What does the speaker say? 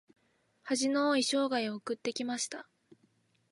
恥の多い生涯を送ってきました。